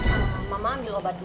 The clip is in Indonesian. ayang mama ambil obat dulu ya